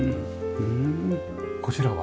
こちらは？